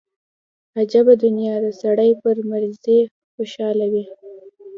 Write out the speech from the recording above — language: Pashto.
عجبه دنيا ده سړى پر مريضۍ خوشاله وي.